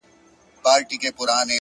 فکر مثبت وي نو لارې روښانه کېږي,